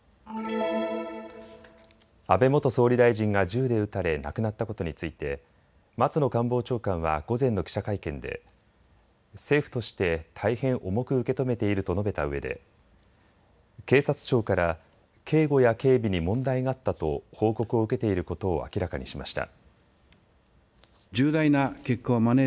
安倍元総理大臣が銃で撃たれ亡くなったことについて松野官房長官は午前の記者会見で政府として大変重く受け止めていると述べたうえで、警察庁から警護や警備に問題があったと報告を受けていることを明らかにしました。